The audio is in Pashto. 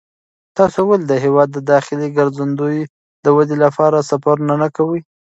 تاسې ولې د هېواد د داخلي ګرځندوی د ودې لپاره سفرونه نه کوئ؟